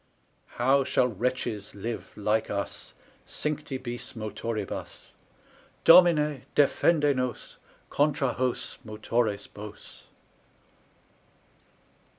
How shall wretches live like us Cincti Bis Motoribus? Domine, defende nos Contra hos Motores Bos!